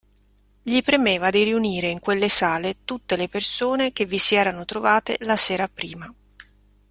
Gli premeva di riunire in quelle sale tutte le persone che vi si erano trovate la sera prima.